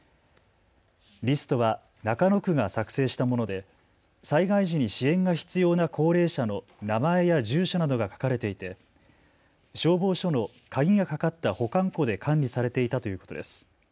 リストは中野区が作成したもので災害時に支援が必要な高齢者の名前や住所などが書かれていて消防署の鍵がかかった保管庫で管理されていたということです。